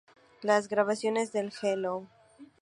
Las grabaciones del Hello!